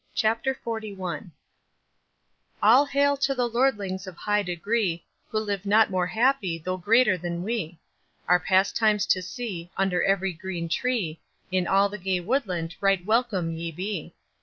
CHAPTER XLI All hail to the lordlings of high degree, Who live not more happy, though greater than we! Our pastimes to see, Under every green tree, In all the gay woodland, right welcome ye be.